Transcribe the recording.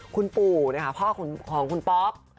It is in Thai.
คุณปู่พ่อของคุณป๊อป